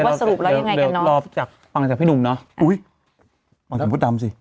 ว่าสรุปแล้วยังไงกันนะรอจากฟังจากพี่หนุ่มเนอะอุ้ยออกจากมูดดำซิ